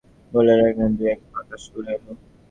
বলিয়া তাহাকে দুই-এক পাক আকাশে ঘুরাইল।